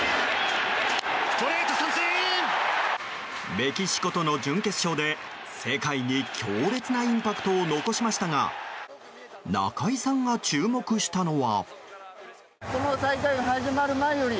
メキシコとの準決勝で世界に、強烈なインパクトを残しましたが中居さんが注目したのは。